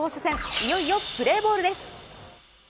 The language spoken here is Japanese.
いよいよプレーボールです。